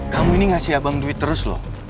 kamu ini ngasih abang duit terus loh